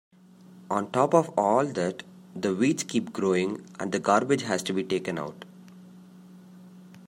On top of all that, the weeds keep growing and the garbage has to be taken out.